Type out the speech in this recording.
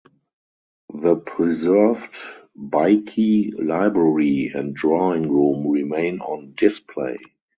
The preserved Baikie library and drawing room remain on display.